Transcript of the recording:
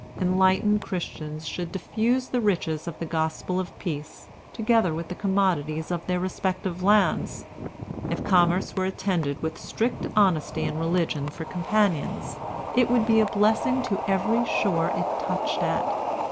Enlightened Christians should diffuse the riches of the Gospel of Peace together with the commodities of their respective lands. If commerce were attended with strict honesty and religion for companions, it would be a blessing to every shore it touched at.